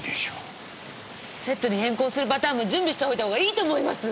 セットに変更するパターンも準備しておいたほうがいいと思います！